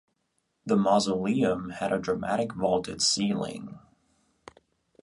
The mausoleum had a dramatic vaulted ceiling.